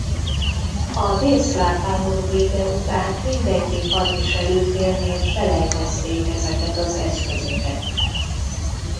A délszláv háború vége után mindegyik hadviselő félnél selejtezték ezeket az eszközöket.